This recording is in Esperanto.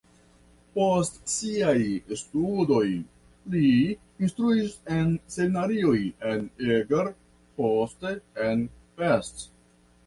Post siaj studoj li instruis en seminarioj en Eger, poste en Pest.